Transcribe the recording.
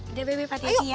udah bebek pati pati ya